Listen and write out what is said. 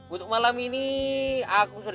untuk malam ini aku sering kembali